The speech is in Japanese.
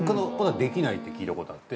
できないって聞いたことあって。